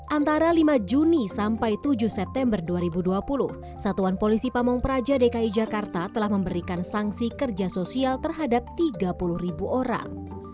antara lima juni sampai tujuh september dua ribu dua puluh satuan polisi pamung praja dki jakarta telah memberikan sanksi kerja sosial terhadap tiga puluh ribu orang